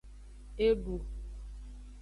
Edu.